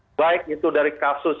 baik itu dari kasus